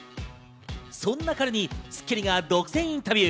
そんな彼に『スッキリ』が独占インタビュー。